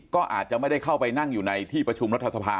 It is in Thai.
ก็อาจจะไม่ได้เข้าไปนั่งอยู่ในที่ประชุมรัฐสภา